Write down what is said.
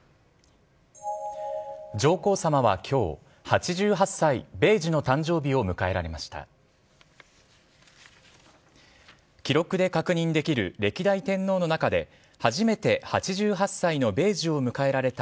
上皇さまは今日、８８歳米寿の誕生日を迎えられました。